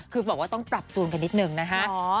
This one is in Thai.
คือบอกว่าต้องปรับจูนกันนิดนึงนะคะ